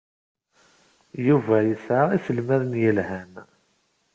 Yuba yesɛa iselmaden yelhan.